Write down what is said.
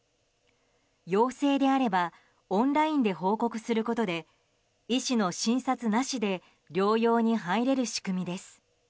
陽性であればオンラインで報告することで医師の診察なしで療養に入れる仕組みです。